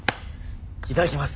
いただきます。